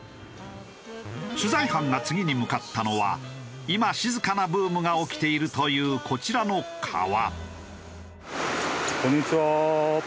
取材班が次に向かったのは今静かなブームが起きているというこちらの川。